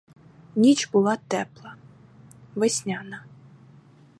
Ніч була тепла — весняна.